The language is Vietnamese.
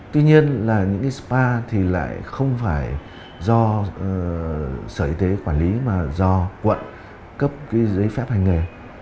tuy nhiên là những cái spa thì lại không phải do sở y tế quản lý mà do quận cấp giấy phép hành nghề